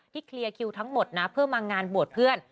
เคลียร์คิวทั้งหมดนะเพื่อมางานบวชเพื่อน